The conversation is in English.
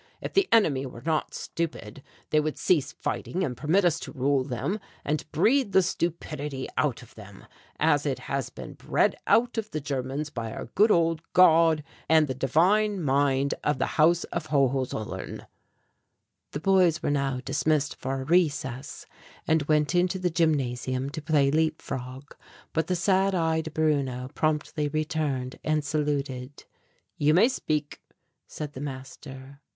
If the enemy were not stupid they would cease fighting and permit us to rule them and breed the stupidity out of them, as it has been bred out of the Germans by our good old God and the divine mind of the House of Hohenzollern." The boys were now dismissed for a recess and went into the gymnasium to play leap frog. But the sad eyed Bruno promptly returned and saluted. "You may speak," said the master.